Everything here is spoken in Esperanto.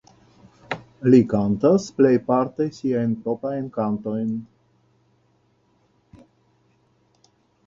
Li kantas plejparte siajn proprajn kantojn.